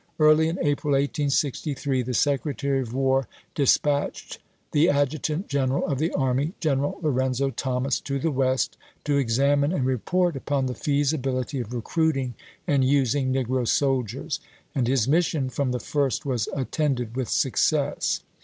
Early in April, 1863, the Secretary of War dis patched the adjutant general of the army, Greneral Lorenzo Thomas, to the West to examine and re port upon the feasibility of recruiting and using negro soldiers ; and his mission from the first was attended with success.